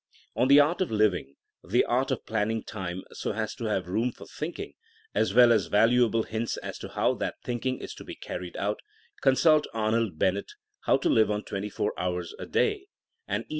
On the art of living— the art of planning time so as to have room for thinMng, as well as val uable hints as to how that thinking is to be car ried out — consult Arnold Bennett, How to Live on Twenty four Hours a Day, and E.